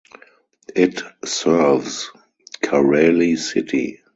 It serves Kareli city.